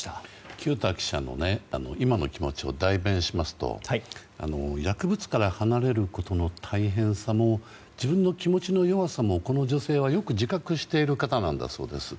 清田記者の今の気持ちを代弁しますと薬物から離れることの大変さも自分の気持ちの弱さもこの女性はよく自覚している方なんだそうです。